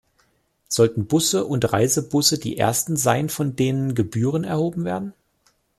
Sollten Busse und Reisebusse die Ersten sein, von denen Gebühren erhoben werden?